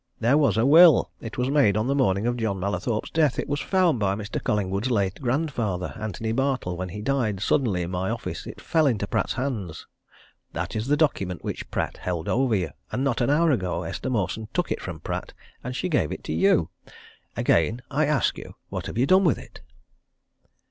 There was a will! It was made on the morning of John Mallathorpe's death. It was found by Mr. Collingwood's late grandfather, Antony Bartle: when he died suddenly in my office, it fell into Pratt's hands. That is the document which Pratt held over you and not an hour ago, Esther Mawson took it from Pratt, and she gave it to you. Again I ask you what have you done with it?"